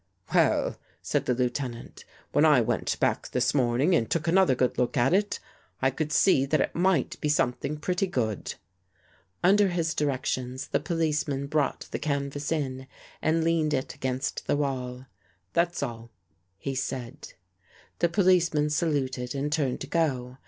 " Well," said the Lieutenant, " when I went back this morning and took another good look at it, I could see that it might be something pretty good." Under his directions the policeman brought the canvas in and leaned it against the wall. " That's all," he said. The policeman saluted and turned to go.